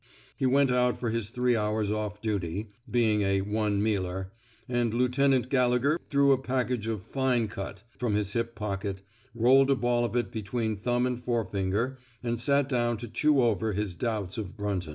He went out for his three hours off duty — being a one mealer "— and Lieutenant Gallegher drew a package of fine cut " from his hip pocket, rolled a ball of it be tween thumb and forefinger, and sat down to chew over his doubts of Brunton.